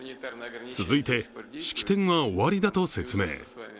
続いて、式典は終わりだと説明。